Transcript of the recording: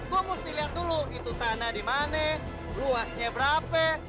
gue mesti lihat dulu itu tanah di mana luasnya berapa